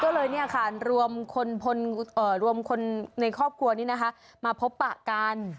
ก็เลยเนี่ยค่ะรวมคนในครอบครัวนี้นะคะมาพบประการ